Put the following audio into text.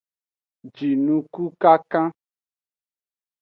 Jinukukankan.